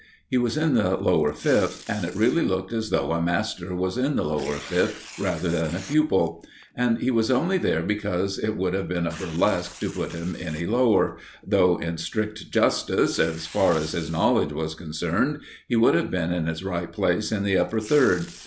He was in the Lower Fifth, and it really looked as though a master was in the Lower Fifth rather than a pupil. And he was only there because it would have been a burlesque to put him any lower, though in strict justice, as far as his knowledge was concerned, he would have been in his right place in the Upper Third.